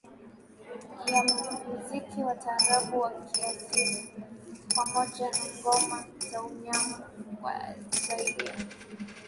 ya muziki wa taarab ya kiasili pamoja na ngoma za unyago kwa zaidi ya